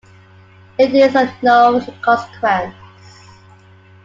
It is of no consequence.